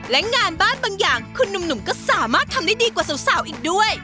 และงานบ้านบางอย่างคุณหนุ่มก็สามารถทำได้ดีกว่าสาวอีกด้วย